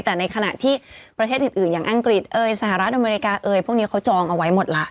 แต่ในขณะที่ประเทศอื่นอย่างอังกฤษเอยสหรัฐอเมริกาเอยพวกนี้เขาจองเอาไว้หมดละ